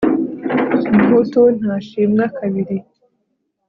umuhutu ntashimwa kabili